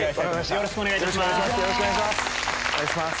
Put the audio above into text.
よろしくお願いします。